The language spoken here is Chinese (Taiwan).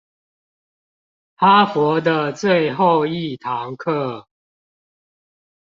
哈佛的最後一堂課